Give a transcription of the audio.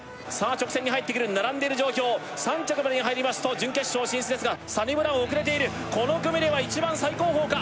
直線に入ってくる並んでいる状況３着までに入りますと準決勝進出ですがサニブラウン遅れているこの組では一番最後方か？